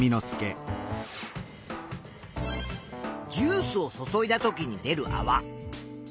ジュースを注いだときに出るあわ。